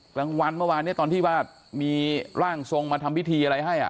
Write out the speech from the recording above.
กลางวันเมื่อวานนี้ตอนที่มี